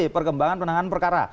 perkembangan penanganan perkara